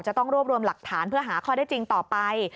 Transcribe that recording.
จะต้องรวบรวมหลักฐานเพื่อหาข้อได้จริงต่อไป